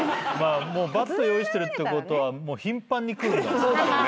バット用意してるってことは頻繁に来るんだろうね。